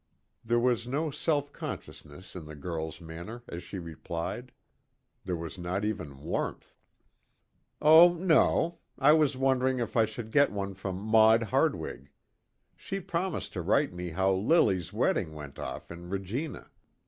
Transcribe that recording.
There was no self consciousness in the girl's manner as she replied. There was not even warmth. "Oh, no; I was wondering if I should get one from Maud Hardwig. She promised to write me how Lily's wedding went off in Regina.